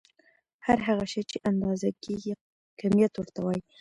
هر هغه شی چې اندازه کيږي کميت ورته وايې.